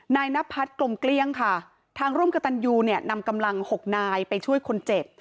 นายนพัฒน์กลมเกลี้ยงค่ะทางร่วมกับตันยูเนี่ยนำกำลังหกนายไปช่วยคนเจ็บ